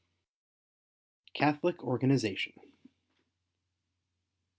Catholic Organization.